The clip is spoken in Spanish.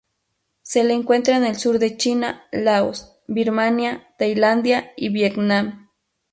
Se le encuentra en el sur de China, Laos, Birmania, Tailandia, y Vietnam.